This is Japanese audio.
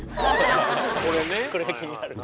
これは気になるか。